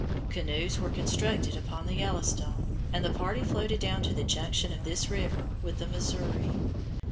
Canoes were constructed upon the Yellowstone, and the party floated down to the junction of this river with the Missouri.